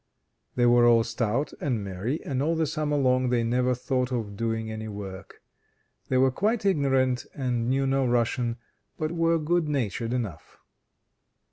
They were all stout and merry, and all the summer long they never thought of doing any work. They were quite ignorant, and knew no Russian, but were good natured enough.